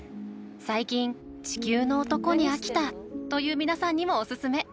最近、地球の男に飽きたという皆さんにもおすすめ。